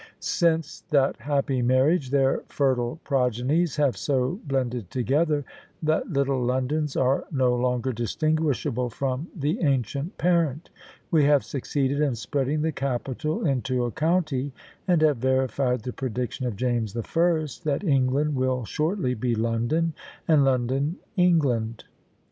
Since that happy marriage, their fertile progenies have so blended together, that little Londons are no longer distinguishable from the ancient parent; we have succeeded in spreading the capital into a county, and have verified the prediction of James the First, "that England will shortly be London, and London England."